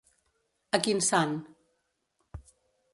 A quin sant?